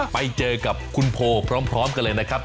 ไปเจอกับคุณโพพร้อมกันเลยนะครับ